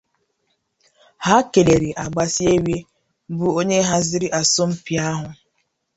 Ha kèlère Agbasiere bụ onye haziri asọmpi ahụ